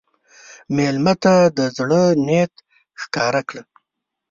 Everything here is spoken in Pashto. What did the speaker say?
مېلمه ته د زړه نیت ښکاره کړه.